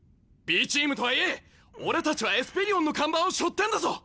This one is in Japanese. Ｂチームとはいえ俺たちはエスペリオンの看板をしょってんだぞ！